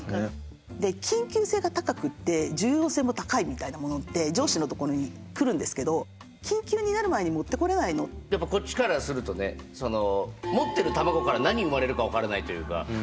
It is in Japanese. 緊急性が高くって重要性も高いみたいなものって上司の所に来るんですけどやっぱこっちからするとね持ってる卵から何生まれるか分からないというか。